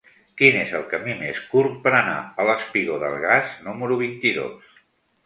Quin és el camí més curt per anar al espigó del Gas número vint-i-dos?